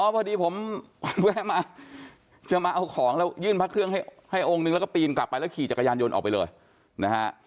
พอดีผมแวะมาจะมาเอาของแล้วยื่นพระเครื่องให้องค์นึงแล้วก็ปีนกลับไปแล้วขี่จักรยานยนต์ออกไปเลยนะฮะ